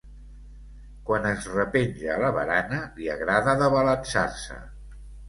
Quan es repenja a la barana, li agrada d'abalançar-se.